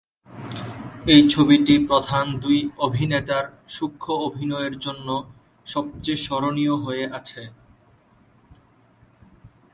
এই ছবিটি প্রধান দুই অভিনেতার সূক্ষ্ম অভিনয়ের জন্য সবচেয়ে স্মরণীয় হয়ে আছে।